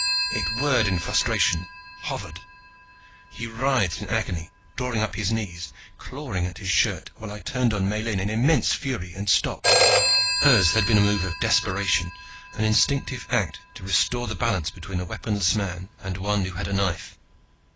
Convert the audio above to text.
It whirred in frustration, hovered. He writhed in agony, drawing up his knees, clawing at his shirt, while I turned on Miellyn in immense fury and stopped. Hers had been a move of desperation, an instinctive act to restore the balance between a weaponless man and one who had a knife.